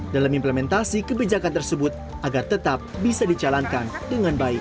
dalam implementasi kebijakan tersebut agar tetap bisa dijalankan dengan baik